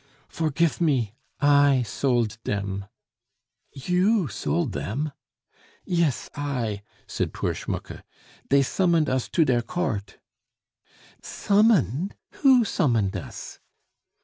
"Vorgif me I sold dem." "You sold them?" "Yes, I," said poor Schmucke. "Dey summoned us to der court " "Summoned?.... Who summoned us?"